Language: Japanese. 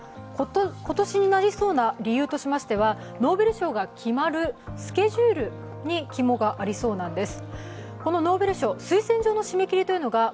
今年になりそうな理由としましてはノーベル賞が決まるスケジュールに肝がありそうなんです。